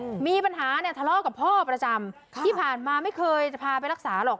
อืมมีปัญหาเนี้ยทะเลาะกับพ่อประจำค่ะที่ผ่านมาไม่เคยจะพาไปรักษาหรอก